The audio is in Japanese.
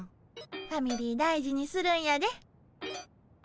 ファミリー大事にするんやで。